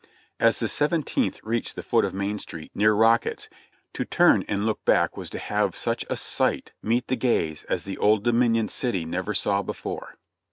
As the Seventeenth reached the foot of Main Street near Rock ets, to turn and look back was to have such a sight meet the gaze as the "Old Dominion" city never saw before.